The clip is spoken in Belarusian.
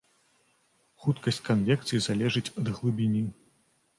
Хуткасць канвекцыі залежыць ад глыбіні.